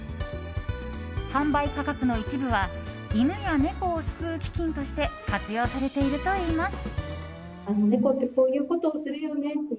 販売価格の一部は犬や猫を救う基金として活用されているといいます。